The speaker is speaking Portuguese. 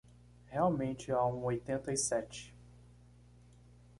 Realmente há um oitenta e sete